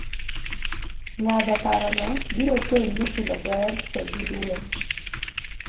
ng'ado parono biro konyi e kelo ber to gi duol